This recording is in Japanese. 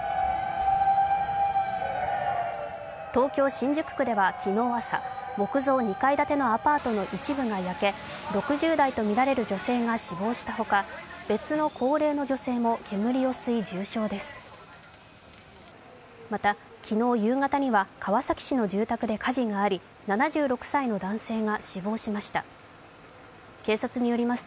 東京・新宿区では昨日朝、木造２階建てのアパートの一部が焼け、６０代とみられる女性が死亡した他別の高齢の女性も煙を吸い重症です。